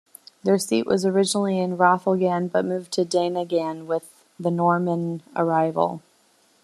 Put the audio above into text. Their seat was originally in Rathangan but moved to Daingean with the Norman arrival.